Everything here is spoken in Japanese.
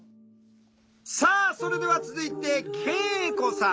さあそれでは続いて圭永子さん。